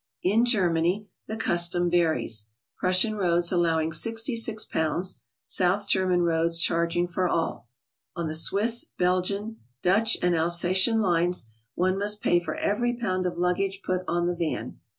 In Germany the custom varies, Prussian roads allowing 66 pounds. South German roads charging for all. On the Swiss, Belgian, Dutch and Alsatian lines, one must pay for every pound of luggage put on the van.